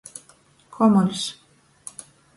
Komuļs.